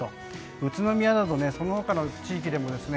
宇都宮など、その他の地域でもね。